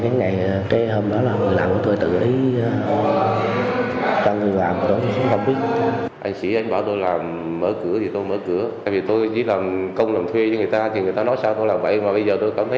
mà bây giờ tôi cảm thấy nó cũng là cái sai